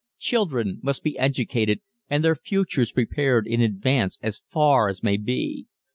Children must be educated and their futures prepared in advance as far as may be.